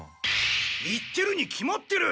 言ってるに決まってる！